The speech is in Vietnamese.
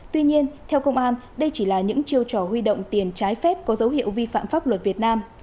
tuy nhiên theo công an đây chỉ là những chiêu trò huy động tiền trái phép có dấu hiệu vi phạm pháp luật việt nam